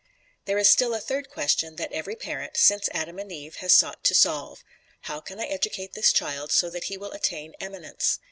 There is still a third question that every parent, since Adam and Eve, has sought to solve: "How can I educate this child so that he will attain eminence?"